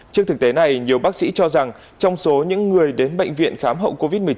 trước thực tế này nhiều bác sĩ cho rằng trong số những người đến bệnh viện khám hậu covid một mươi chín